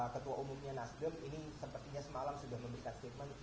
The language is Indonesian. ketua umumnya nasdem ini sepertinya semalam sudah memberikan statement